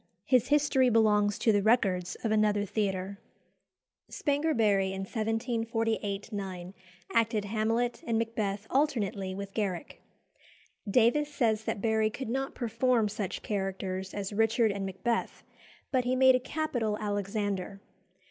His history belongs to the records of another theatre. Spanger Barry in 1748 9 acted Hamlet and Macbeth alternately with Garrick. Davies says that Barry could not perform such characters as Richard and Macbeth, but he made a capital Alexander.